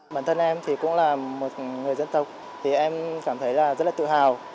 bản thân em thì cũng là một người dân tộc thì em cảm thấy là rất là tự hào